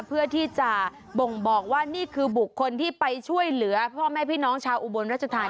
เพื่อที่จะบ่งบอกว่านี่คือบุคคลที่ไปช่วยเหลือพ่อแม่พี่น้องชาวอุบลรัชธาน